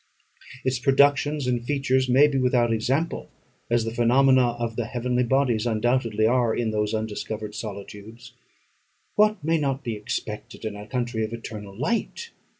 Its productions and features may be without example, as the phenomena of the heavenly bodies undoubtedly are in those undiscovered solitudes. What may not be expected in a country of eternal light?